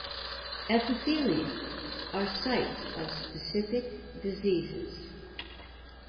Epithelia are sites of specific diseases.